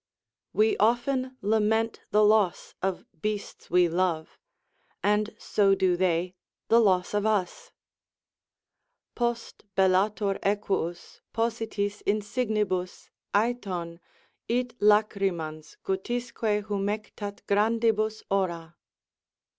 '" We often lament the loss of beasts we love, and so do they the loss of us: Post, bellator equus, positis insignibus, Æthon It lacrymans, guttisque humectât grandibus ora.